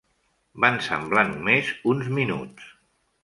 Van semblar només uns minuts.